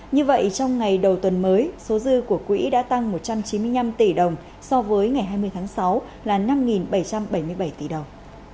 như vậy trong ngày đầu tuần mới số dư của quỹ đã tăng một trăm chín mươi năm tỷ đồng so với ngày hai mươi tháng sáu là năm bảy trăm bảy mươi bảy tỷ đồng